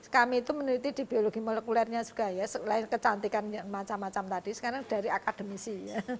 kami itu meneliti di biologi molekulernya juga ya selain kecantikan macam macam tadi sekarang dari akademisi